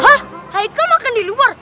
hah haikal makan di luar